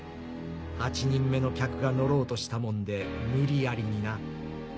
８人目の客が乗ろうとしたもんで無理やりにな。